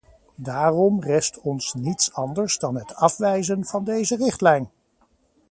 Daarom rest ons niets anders dan het afwijzen van deze richtlijn!